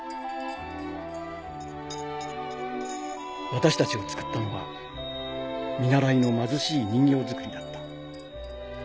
私たちを作ったのは見習いの貧しい人形作りだった。